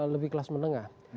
lebih kelas menengah